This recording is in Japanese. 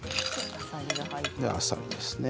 あさりですね。